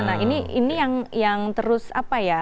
nah ini yang terus apa ya